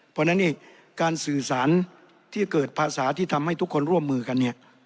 เพราะฉะนั้นเนี่ยการสื่อสารที่เกิดภาษาที่ทำให้ทุกคนร่วมมือกันเนี่ย